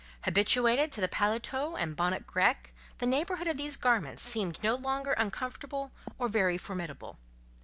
Habituated to the paletôt and bonnet grec, the neighbourhood of these garments seemed no longer uncomfortable or very formidable.